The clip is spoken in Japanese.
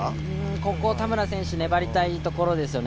ここは田村選手、粘りたいところですよね。